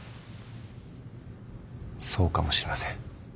そうかもしれません。